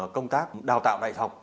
công tác đào tạo đại học